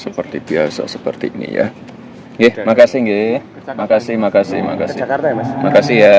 seperti biasa seperti ini ya ya makasih nge makasih makasih makasih makasih ya